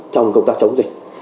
trong công tác chống dịch